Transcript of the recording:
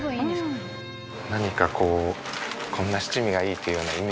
何かこうこんな七味がいいっていうようなイメージはございますか？